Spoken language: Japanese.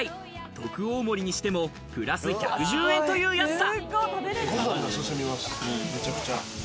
特大盛りにしてもプラス１１０円という安さ。